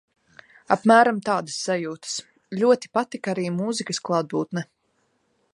Apmēram tādas sajūtas. Ļoti patika arī mūzikas klātbūtne.